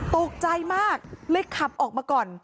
ตกใจมากเลยขับออกมาก่อน